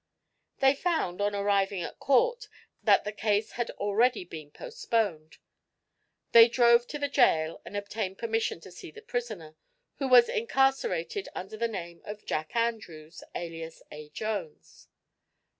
They found, on arriving at court, that the case had already been postponed. They drove to the jail and obtained permission to see the prisoner, who was incarcerated under the name of "Jack Andrews, alias A. Jones."